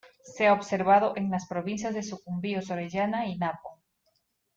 Se ha observado en las provincias de Sucumbíos, Orellana y Napo.